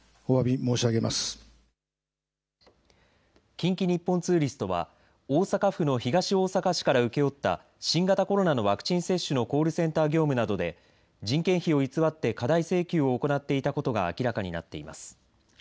近畿日本ツーリストは大阪府の東大阪市から請け負った新型コロナのワクチン接種のコールセンター業務などで人件費を偽って過大請求を行っていたことが明らかになっています。